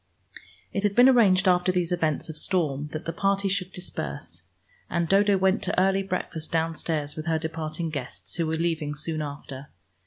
It had been arranged after these events of storm that the party should disperse, and Dodo went to early breakfast downstairs with her departing guests, who were leaving soon after.